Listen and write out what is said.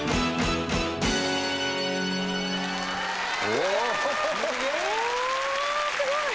おー、すごい。